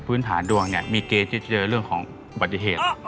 พื้นฐานดวงเนี่ยมีเกณฑ์ที่เจอเรื่องของบรรเวท